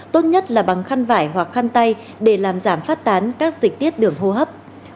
tốt nhất là bằng khăn vải hoặc khăn tay để làm giảm phát tán các dịch tiết đường hô hấp